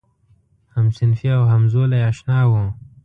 همصنفي او همزولی آشنا و.